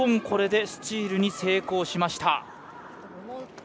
これでスチールに成功しました。